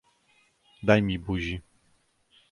"daj mi buzi!"